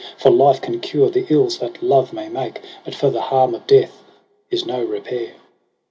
For life can cure the ills that love may make j But for the harm of death is no repair.'